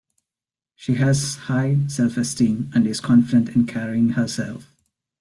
She has high self-esteem and is confident in carrying herself.